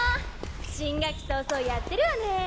新学期早々やってるわね。